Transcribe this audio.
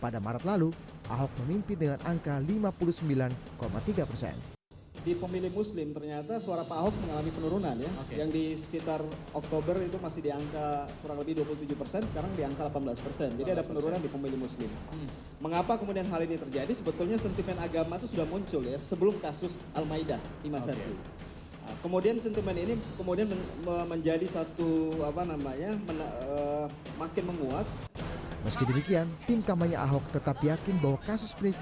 di empat puluh empat puluh sembilan tahun kita lihat bersaing antara pak ahok dengan pak anies